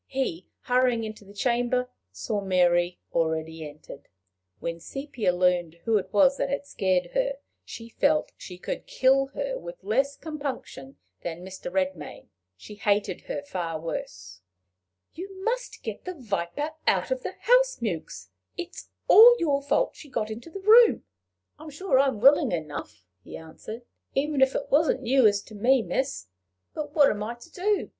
He, hurrying into the chamber, saw Mary already entered. When Sepia learned who it was that had scared her, she felt she could kill her with less compunction than Mr. Redmain. She hated her far worse. "You must get the viper out of the house, Mewks," she said. "It is all your fault she got into the room." "I'm sure I'm willing enough," he answered, " even if it wasn't you as as't me, miss! But what am I to do?